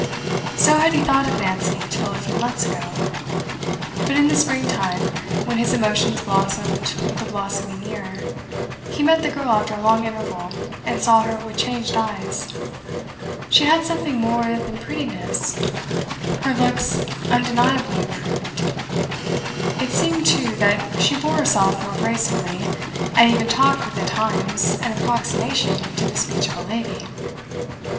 So had he thought of Nancy till a few months ago. But in the spring time, when his emotions blossomed with the blossoming year, he met the girl after a long interval, and saw her with changed eyes. She had something more than prettiness; her looks undeniably improved. It seemed, too, that she bore herself more gracefully, and even talked with, at times, an approximation to the speech of a lady.